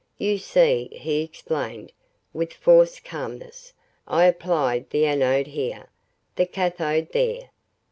"You see," he explained, with forced calmness, "I apply the anode here the cathode there."